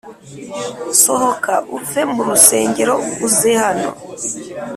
Sohoka uve mu rusengero uzehano